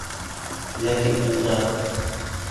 Ләкин ул да: